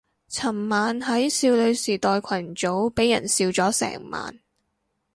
尋晚喺少女時代群組俾人笑咗成晚